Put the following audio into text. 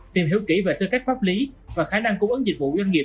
tìm hiểu kỹ về tư cách pháp lý và khả năng cung ứng dịch vụ doanh nghiệp